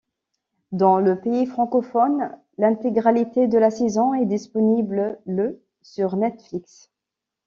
Dans les pays francophones, l'intégralité de la saison est disponible le sur Netflix.